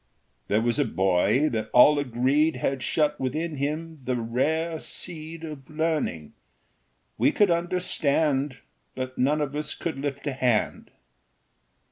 There was a boy that all agreed Had shut within him the rare seed Of learning. We could understand, But none of us could lift a hand.